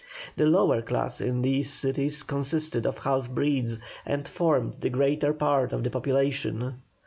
The lower class in these cities consisted of half breeds, and formed the greater part of the population.